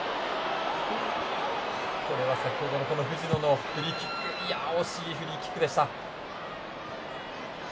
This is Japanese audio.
先ほどの藤野のフリーキック惜しいフリーキックでした。